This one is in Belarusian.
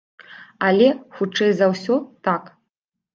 Але, хутчэй за ўсё, так.